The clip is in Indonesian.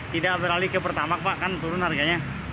tidak beralih ke pertamak pak kan turun harganya